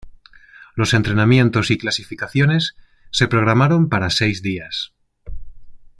Los entrenamientos y clasificaciones se programaron para seis días.